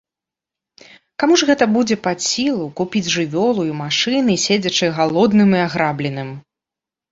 Каму ж гэта будзе пад сілу купіць жывёлу і машыны, седзячы галодным і аграбленым?